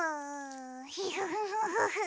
フフフフフ。